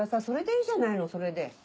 それでいいじゃないのそれで。